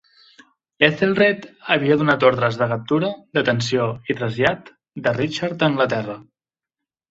Ethelred havia donat ordres de captura, detenció i trasllat de Richard a Anglaterra.